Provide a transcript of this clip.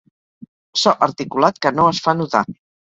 So articulat que no es fa notar.